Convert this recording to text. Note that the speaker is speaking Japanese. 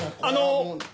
あの。